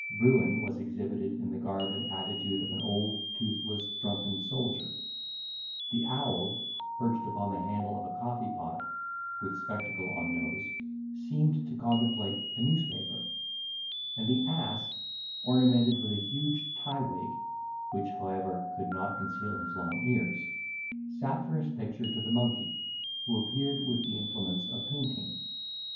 Bruin was exhibited in the garb and attitude of an old, toothless, drunken soldier; the owl perched upon the handle of a coffee pot, with spectacle on nose, seemed to contemplate a newspaper; and the ass, ornamented with a huge tie wig (which, however, could not conceal his long ears), sat for his picture to the monkey, who appeared with the implements of painting.